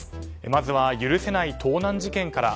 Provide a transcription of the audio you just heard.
まずは許せない盗難事件から。